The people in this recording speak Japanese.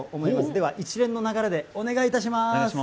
では一連の流れでお願いいたします。